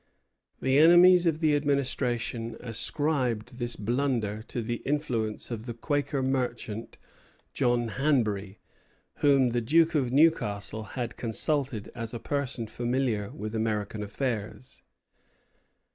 The enemies of the Administration ascribed this blunder to the influence of the Quaker merchant, John Hanbury, whom the Duke of Newcastle had consulted as a person familiar with American affairs.